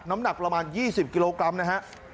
น้ำหนักประมาณ๒๐กิโลกรัมนะฮะ